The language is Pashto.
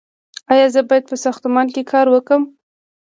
ایا زه باید په ساختمان کې کار وکړم؟